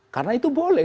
karena itu boleh